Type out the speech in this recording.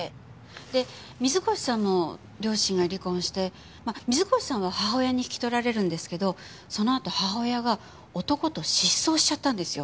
で水越さんも両親が離婚してまあ水越さんは母親に引き取られるんですけどそのあと母親が男と失踪しちゃったんですよ。